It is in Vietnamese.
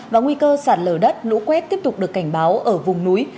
và nguy cơ sạt lở đất lũ quét tiếp tục được cảnh báo ở vùng núi